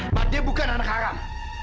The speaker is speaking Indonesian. mbak dia bukan anak haram